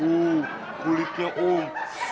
oh kulitnya om